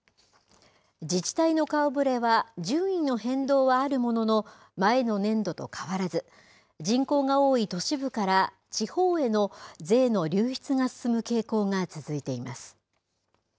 自治体の顔ぶれは、順位の変動はあるものの、前の年度と変わらず、人口が多い都市部から地方への税の流出が進む傾向が続いています。